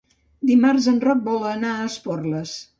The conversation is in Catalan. Dimarts en Roc vol anar a Esporles.